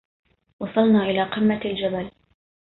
وصلنا إلى قمة الجبل.